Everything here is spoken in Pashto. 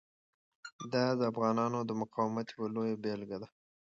دا د افغانانو د مقاومت یوه لویه بیلګه ده.